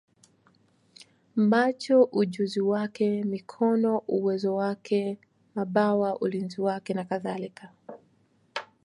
macho ujuzi wake, mikono uwezo wake, mabawa ulinzi wake, nakadhalika.